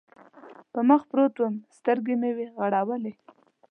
پر مخ پروت ووم، سترګې مې و غړولې.